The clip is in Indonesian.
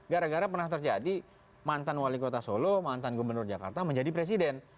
gara gara pernah terjadi mantan wali kota solo mantan gubernur jakarta menjadi presiden